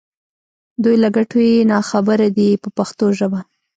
دوی له ګټو یې نا خبره دي په پښتو ژبه.